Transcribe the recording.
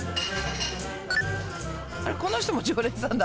この人も常連さんだ。